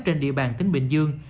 trên địa bàn tỉnh bình dương